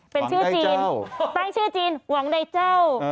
เป็นชื่อจีนตั้งชื่อจีนหวังใดเจ้า